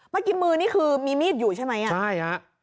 เมื่อกี้มือนี่คือมีมีดอยู่ใช่ไหมอ่ะใช่ฮะ